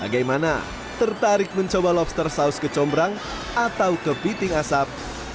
bagaimana tertarik mencoba lobster saus kecombrang atau kepiting asap